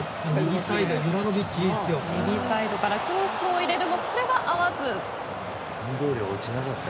右サイドからクロスを入れるもこれは合わず。